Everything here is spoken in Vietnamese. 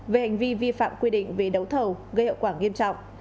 về hành vi vi phạm quy định về đấu thầu gây hậu quả nghiêm trọng